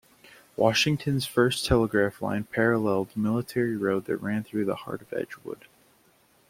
Washington's first telegraph line paralleled Military Road that ran through the heart of Edgewood.